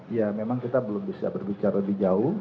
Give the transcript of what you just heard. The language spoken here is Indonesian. ya memang kita belum bisa berbicara lebih jauh